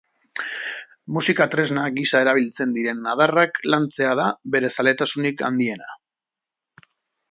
Musika-tresna gisa erabiltzen diren adarrak lantzea da bere zaletasunik handiena.